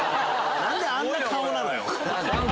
何であんな顔なのよ？